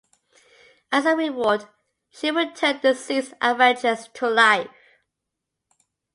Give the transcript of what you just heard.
As a reward, she returned the deceased Avengers to life.